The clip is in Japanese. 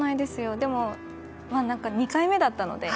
でも、２回目だったので。